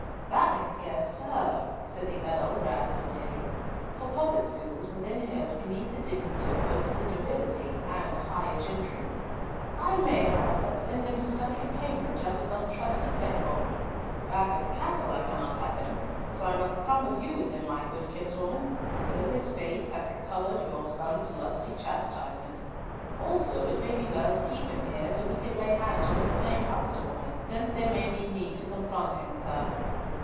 "That may scarce serve," said the Earl rather severely, for public schools were then held beneath the dignity of both the nobility and higher gentry. "I may, however, send him to study at Cambridge under some trusty pedagogue. Back at the castle I cannot have him, so must I cumber you with him, my good kinswoman, until his face have recovered your son's lusty chastisement. Also it may be well to keep him here till we can lay hands on this same huckster woman, since there may be need to confront him with her.